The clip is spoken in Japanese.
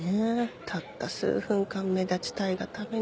たった数分間目立ちたいがために。